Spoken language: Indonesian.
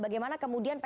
bagaimana kemudian pmo